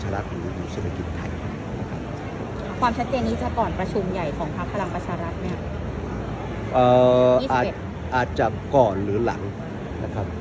ชุมใหญ่ของพระพระรัมปัชรักษ์เนี้ยอ่าอาจจะก่อนหรือหลังนะครับ